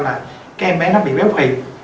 là cái em bé nó bị béo phì